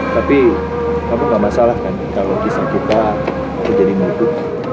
tapi kamu gak masalah kan kalau kisah kita menjadi nukut